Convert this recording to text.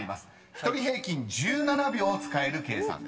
［１人平均１７秒使える計算です。